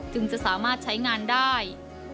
จะสามารถใช้งานได้